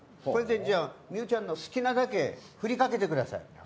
これでじゃあ望結ちゃんの好きなだけ振りかけてください。